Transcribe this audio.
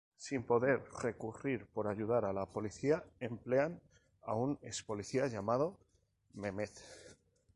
Sin poder recurrir por ayuda a la policía, emplean a un ex-policía llamado Mehmet.